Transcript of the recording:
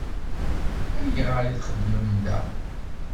Ayɣer i txeddmem da?